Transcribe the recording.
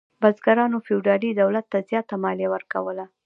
بزګرانو فیوډالي دولت ته زیاته مالیه ورکوله.